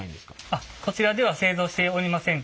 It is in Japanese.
あっこちらでは製造しておりません。